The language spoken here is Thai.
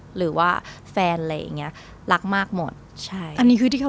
หรือว่าแฟนอะไรอย่างเงี้ยรักมากหมดใช่อันนี้คือที่เขา